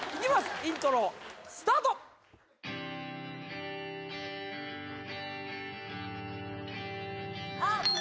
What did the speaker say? イントロスタートあっ！